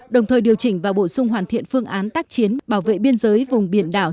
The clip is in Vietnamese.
đồng thời điều chỉnh và bổ sung hoàn thiện phương án tác chiến bảo vệ biên giới vùng biển đảo